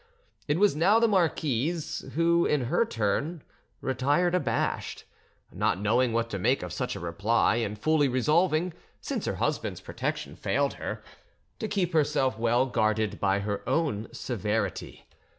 It was now the marquise who, in her turn, retired abashed, not knowing what to make of such a reply, and fully resolving, since her husband's protection failed her, to keep herself well guarded by her own severity.